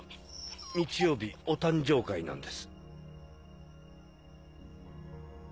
日曜日お誕生会なんです。